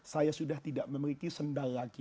saya sudah tidak memiliki sendal lagi